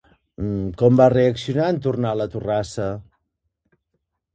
Com va reaccionar en tornar a la torrassa?